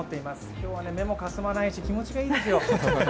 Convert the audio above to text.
今日は目もかすまないし、気持ちがいいですよ。